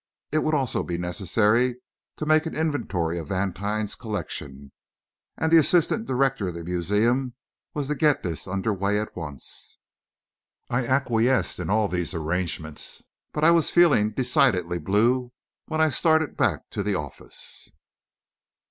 It would also be necessary to make an inventory of Vantine's collection, and the assistant director of the museum was to get this under way at once. I acquiesced in all these arrangements, but I was feeling decidedly blue when I started back to the office.